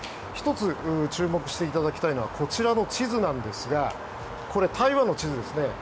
１つ、注目していただきたいのはこちらの地図なんですがこれ、台湾の地図ですね。